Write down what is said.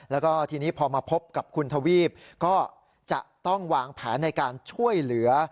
แล้วก็ทีนี้พอมาพบกับคุณทวีปก็จะต้องวางแผนในการช่วยเหลือ